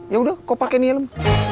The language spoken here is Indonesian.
yaudah kok pake nih helm